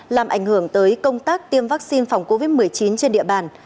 làm ảnh hưởng tới công tác tiêm vaccine phòng covid một mươi chín trên địa bàn